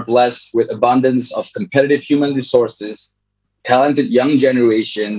diberkati dengan keberadaan sumber daya manusia kompetitif generasi muda yang berguna dan